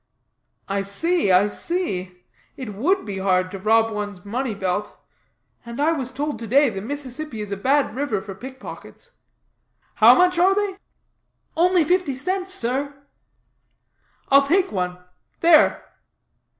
"I see, I see. It would be hard to rob one's money belt. And I was told to day the Mississippi is a bad river for pick pockets. How much are they?" "Only fifty cents, sir." "I'll take one. There!"